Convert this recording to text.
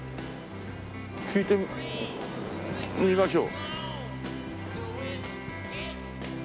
聞いてみましょう。